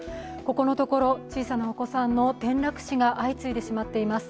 ここのところ小さなお子さんの転落死が相次いでしまっています。